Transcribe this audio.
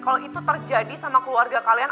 kalau itu terjadi sama keluarga kalian